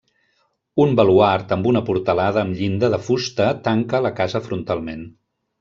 Un baluard amb una portalada amb llinda de fusta tanca la casa frontalment.